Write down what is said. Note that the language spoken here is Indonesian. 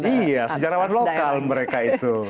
iya sejarawan lokal mereka itu